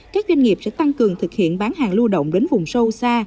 các doanh nghiệp sẽ tăng cường thực hiện bán hàng lưu động đến vùng sâu xa